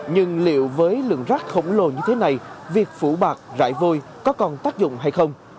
nhưng liệu với lượng rác khổng lồ như thế này việc phủ bạc rải vôi có còn tác dụng hay không